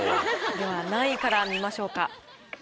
では何位から見ましょうか？